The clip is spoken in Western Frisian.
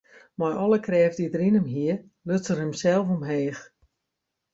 Mei alle krêft dy't er yn him hie, luts er himsels omheech.